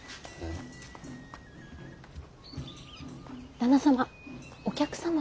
旦那様お客様が。